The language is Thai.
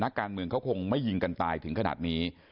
การเมืองเขาคงไม่ยิงกันตายถึงขนาดนี้